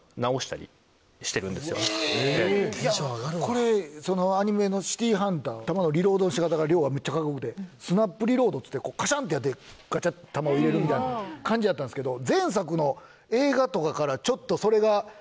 これアニメの『シティーハンター』弾のリロードの仕方がはめっちゃかっこよくてスナップリロードっつってカシャンってやってガチャって弾を入れるみたいな感じやったんですけど。